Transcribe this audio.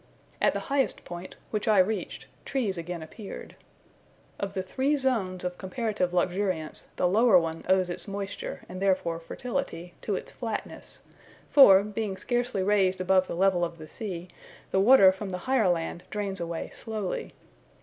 At the highest point, which I reached, trees again appeared. Of the three zones of comparative luxuriance, the lower one owes its moisture, and therefore fertility, to its flatness; for, being scarcely raised above the level of the sea, the water from the higher land drains away slowly.